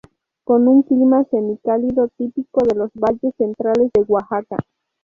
Con un clima semicálido típico de los valles centrales de Oaxaca.